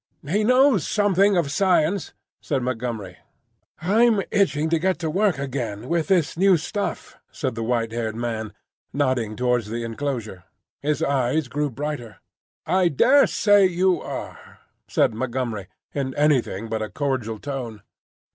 "He knows something of science," said Montgomery. "I'm itching to get to work again—with this new stuff," said the white haired man, nodding towards the enclosure. His eyes grew brighter. "I daresay you are," said Montgomery, in anything but a cordial tone.